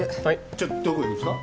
ちょどこ行くんですか？